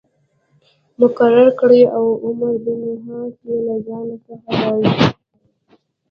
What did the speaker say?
مقرر کړ او عمرو بن عاص یې له ځان څخه ناراض کړ.